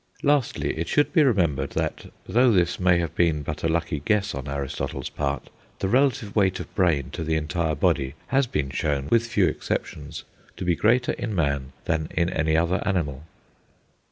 Lastly, it should be remembered that though this may have been but a lucky guess on Aristotle's part the relative weight of brain to the entire body has been shown, with few exceptions, to be greater in man than in any other animal.